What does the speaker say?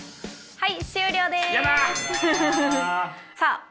はい。